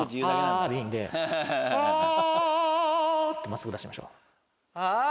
真っすぐ出しましょう。